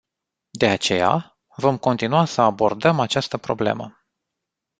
De aceea, vom continua să abordăm această problemă.